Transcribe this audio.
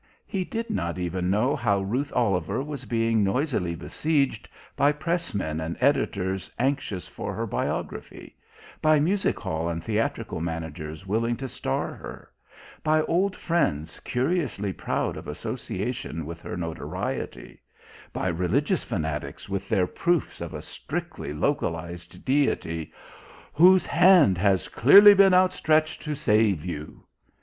He did not even know how Ruth Oliver was being noisily besieged by Pressmen and Editors anxious for her biography; by music hall and theatrical managers willing to star her; by old friends curiously proud of association with her notoriety; by religious fanatics with their proofs of a strictly localized Deity "whose Hand has clearly been outstretched to save you!"